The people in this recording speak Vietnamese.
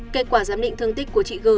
kết quả giám định thương tích của chị gờ